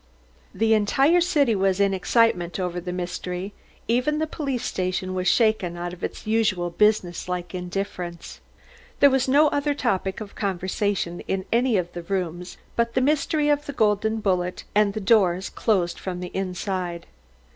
The entire city was in excitement over the mystery, even the police station was shaken out of its usual business like indifference. There was no other topic of conversation in any of the rooms but the mystery of the golden bullet and the doors closed from the inside.